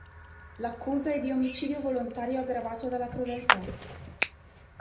L'accusa è di omicidio volontario aggravato dalla crudeltà.